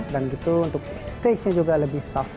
dan gitu untuk taste nya juga lebih sehat dan lebih enak